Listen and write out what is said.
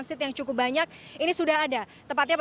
tidak untuk di l cops